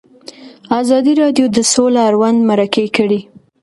ازادي راډیو د سوله اړوند مرکې کړي.